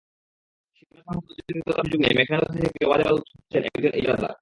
সীমানাসংক্রান্ত জটিলতার সুযোগ নিয়ে মেঘনা নদী থেকে অবাধে বালু তুলছেন একজন ইজারাদার।